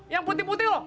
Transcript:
yang putih putih loh